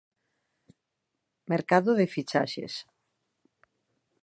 Mercado de fichaxes.